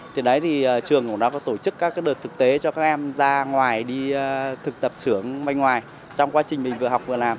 thì đấy thì trường của nó có tổ chức các đợt thực tế cho các em ra ngoài đi thực tập xưởng banh ngoài trong quá trình mình vừa học vừa làm